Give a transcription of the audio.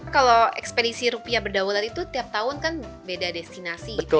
kalau ekspedisi rupiah berdaulat itu tiap tahun kan beda destinasi gitu